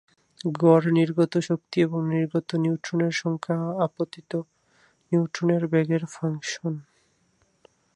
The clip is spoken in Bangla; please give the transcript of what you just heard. গড় নির্গত শক্তি এবং নির্গত নিউট্রনের সংখ্যা আপতিত নিউট্রনের বেগের ফাংশন।